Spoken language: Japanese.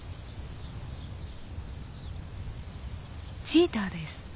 チーターです。